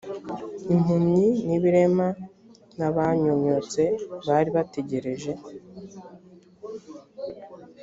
impumyi n ibirema n abanyunyutse bari bategereje